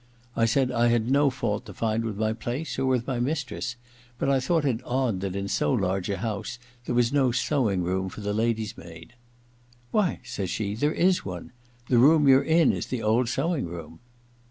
I said I had no fault to find with my place or with my mistress, but I thought it odd that in so large a house there was no sewing room for the lady's maid. • Why/ says she, * there is one : the room you're in is the old sewing room.'